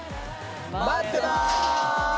まってます！